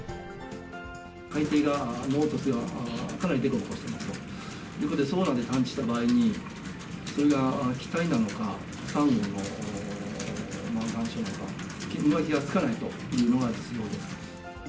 海底が、凹凸が、かなり凸凹してますということで、ソナーで探知した場合に、それが機体なのか、さんごの岩礁なのか、見分けがつかないというのが実情です。